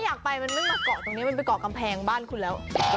อยากไปมันไม่มาเกาะตรงนี้มันไปเกาะกำแพงบ้านคุณแล้ว